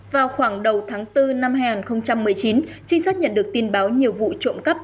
vào khoảng đầu tháng bốn năm hai nghìn một mươi chín trinh sát nhận được tin báo nhiều vụ trộm cắp